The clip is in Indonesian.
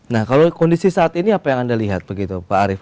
nah kalau kondisi saat ini apa yang anda lihat begitu pak arief